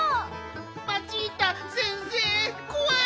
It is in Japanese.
マチータ先生こわい！